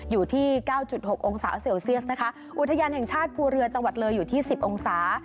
อยู่ที่เก้าจุดหกองศาเซลเซียสนะคะอุทยานแห่งชาติภูเรือจังหวัดเลยอยู่ที่สิบองศา